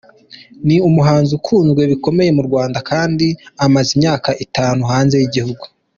Ni umuhanzi ukunzwe bikomeye mu Rwanda kandi amaze imyaka itanu hanze y’igihugu.